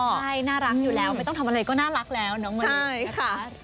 ใช่น่ารักอยู่แล้วไม่ต้องทำอะไรก็น่ารักแล้วน้องวันนี้นะคะ